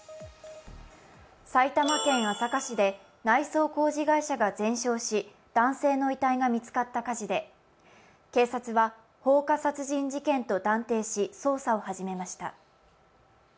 埼玉県朝霞市で内装工事会社が全焼し男性の遺体が見つかった火事で警察は放火殺人事件と断定し、捜査を始めました。